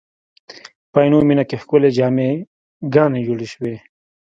په عینومېنه کې ښکلې جامع ګانې جوړې شوې.